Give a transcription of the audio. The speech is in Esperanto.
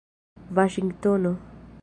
vaŝingtono